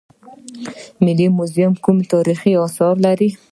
ملي موزیم کوم تاریخي اثار لري؟